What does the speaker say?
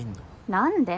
何で？